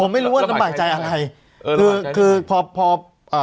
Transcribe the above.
ไม่รู้ว่าลำบากใจอะไรเออคือคือพอพอเอ่อ